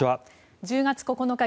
１０月９日